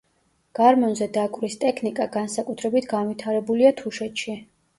გარმონზე დაკვრის ტექნიკა განსაკუთრებით განვითარებულია თუშეთში.